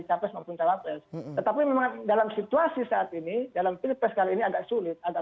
capres maupun cawapres tetapi memang dalam situasi saat ini dalam pilpres kali ini agak sulit agak